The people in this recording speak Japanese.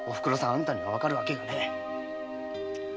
あんたにはわかるわけがねえ〕